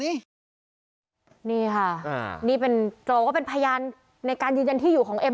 นี่ค่ะนี่เป็นโจก็เป็นพยานในการยืนยันที่อยู่ของเอ็ม